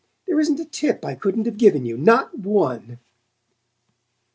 There isn't a tip I couldn't have given you not one!"